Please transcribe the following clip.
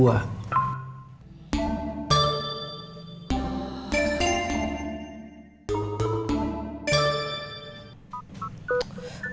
gak usah dipikirin sekarang